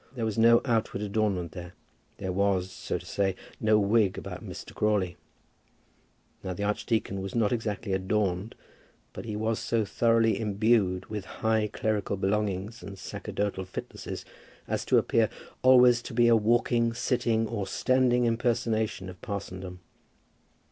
There was no outward adornment there; there was, so to say, no wig about Mr. Crawley. Now the archdeacon was not exactly adorned; but he was so thoroughly imbued with high clerical belongings and sacerdotal fitnesses as to appear always as a walking, sitting, or standing impersonation of parsondom.